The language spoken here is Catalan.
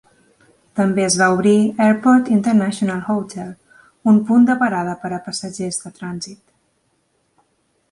També es va obrir Airport International Hotel, un punt de parada per a passatgers de trànsit.